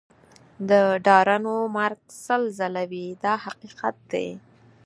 د ډارنو مرګ سل ځله وي دا حقیقت دی.